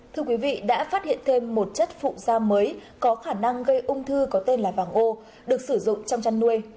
thưa quý vị đã phát hiện thêm một chất phụ da mới có khả năng gây ung thư có tên là vàng ô được sử dụng trong chăn nuôi